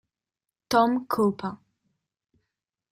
Tom Copa